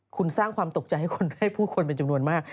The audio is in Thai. คุณสร้างความตกใจให้คนให้ผู้คนเป็นจำนวนมาก